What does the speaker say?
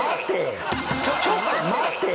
ちょっと待てぃ！！